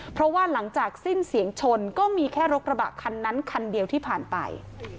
เพราะว่าหลังจากสิ้นเสียงชนก็มีแค่รถกระบะคันนั้นคันเดียวที่ผ่านไป